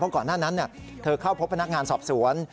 ก่อนหน้านั้นเธอเข้าพบพนักงานสอบสวน